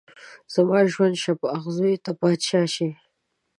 زما ژوند شه په اغزيو ته پاچا شې